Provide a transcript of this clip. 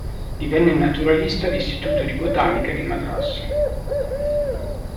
Divenne naturalista all'Istituto di Botanica di Madras.